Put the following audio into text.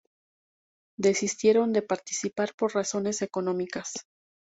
Desistieron de participar por razones económicas.